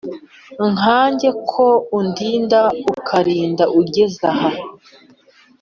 nkanjye ko undinda ukarinda ungeza aha?